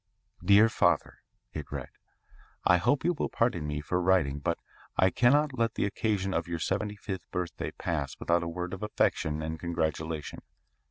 Dear Father [it read]: I hope you will pardon me for writing,=20 but I cannot let the occasion of your seventy fifth birthday=20 pass without a word of affection and congratulation.